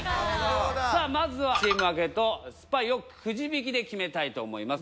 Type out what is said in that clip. さあまずはチーム分けとスパイをくじ引きで決めたいと思います。